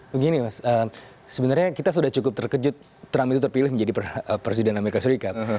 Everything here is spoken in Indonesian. begini mas sebenarnya kita sudah cukup terkejut trump itu terpilih menjadi presiden amerika serikat